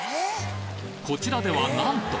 こちらではなんと！